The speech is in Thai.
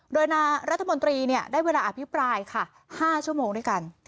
โดยนายรัฐมนตรีได้เวลาอภิปรายค่ะ๕ชั่วโมงด้วยกัน